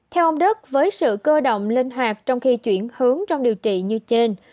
theo ông đức với sự cơ động linh hoạt trong khi chuyển hướng trong điều trị như trên